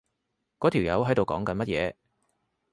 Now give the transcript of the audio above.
嗰條友喺度講緊乜嘢？